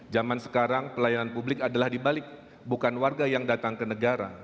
zaman sekarang pelayanan publik adalah dibalik bukan warga yang datang ke negara